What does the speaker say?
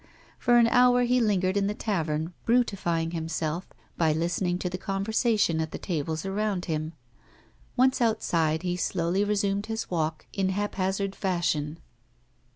For an hour he lingered in the tavern brutifying himself by listening to the conversation at the tables around him. Once outside he slowly resumed his walk in haphazard fashion.